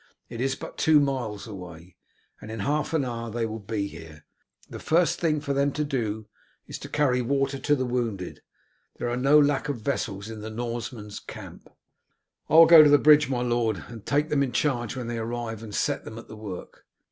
It is but two miles away, and in half an hour they will be here. The first thing for them to do is to carry water to the wounded; there are no lack of vessels in the Norsemen's camp." "I will go to the bridge, my lord, and take them in charge when they arrive, and set them at the work."